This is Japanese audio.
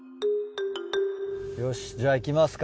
よしじゃあ行きますか。